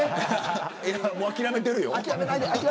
もう諦めてるよ。